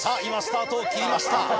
今スタートを切りました。